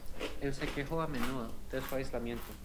El se quejó, a menudo, de su aislamiento.